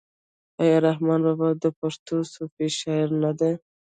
آیا رحمان بابا د پښتو صوفي شاعر نه دی؟